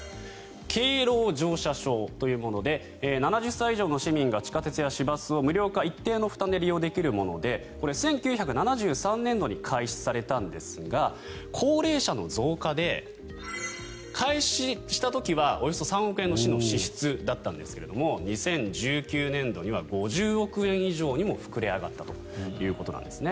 敬老乗車証というもので７０歳以上の市民が地下鉄や市バスを無料か一定の負担で利用できるもので１９７３年度に開始されたんですが高齢者の増加で開始した時はおよそ３億円の市の支出だったんですが２０１９年度には５０億円以上にも膨れ上がったということです。